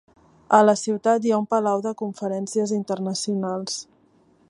A la ciutat hi ha un palau de conferències internacionals.